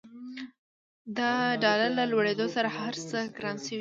د ډالر له لوړېدولو سره هرڅه ګران شوي دي.